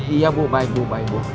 iya bu baik bu baik bu